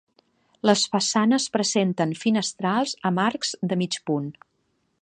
Les façanes presenten finestrals amb arcs de mig punt.